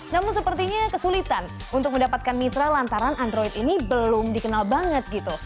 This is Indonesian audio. namun sepertinya kesulitan untuk mendapatkan mitra lantaran android ini belum dikenal banget gitu